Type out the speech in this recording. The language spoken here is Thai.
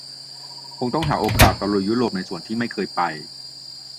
คงต้องหาโอกาสตะลุยยุโรปในส่วนที่ไม่เคยไป